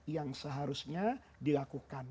yang seharusnya dilakukan